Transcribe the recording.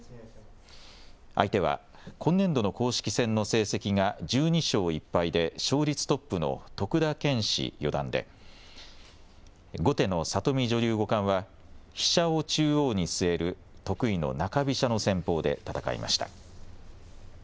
相手は今年度の公式戦の成績が１２勝１敗で勝率トップの徳田拳士四段で後手の里見女流五冠は飛車を中央に据える得意の中飛車の戦法で戦いました。